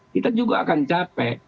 kita juga akan capek